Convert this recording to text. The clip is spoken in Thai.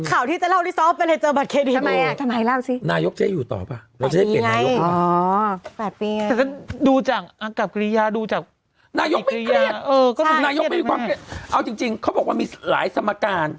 ข่าวที่จะเล่าริซอฟเป็นอะไรเจอบัตรเครดินโอ้โหดูจังอ้างกรับกรียาดูจังนายกไม่เครียดเอาจริงเขาบอกว่ามีหลายสมการ